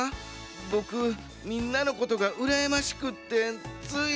ボクみんなのことがうらやましくってつい。